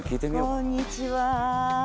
こんにちは。